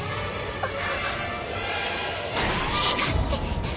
あっ！